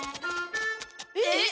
えっ？